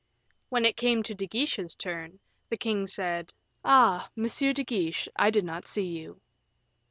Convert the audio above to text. When it came to De Guiche's turn, the king said, "Ah! M. de Guiche, I did not see you."